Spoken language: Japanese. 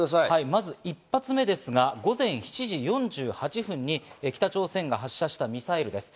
まず１発目ですが、午前７時４８分に北朝鮮が発射したミサイルです。